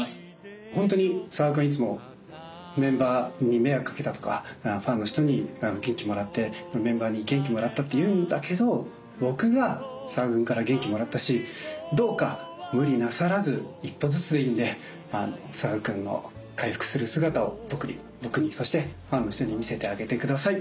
本当に佐賀君いつもメンバーに迷惑かけたとかファンの人に元気もらってメンバーに元気もらったって言うんだけど僕が佐賀君から元気もらったしどうか無理なさらず一歩ずつでいいんで佐賀君の回復する姿を僕にそしてファンの人に見せてあげてください。